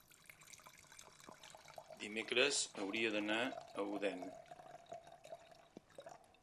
dimecres hauria d'anar a Odèn.